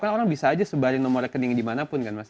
karena orang bisa aja sebarin nomor rekeningnya dimanapun kan mas